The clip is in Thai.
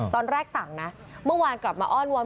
ตอนแรกสั่งนะเมื่อวานกลับมาอ้อนวอน